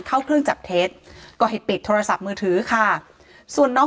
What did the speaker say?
เข้าเครื่องจับเท็จก็ให้ปิดโทรศัพท์มือถือค่ะส่วนน้อง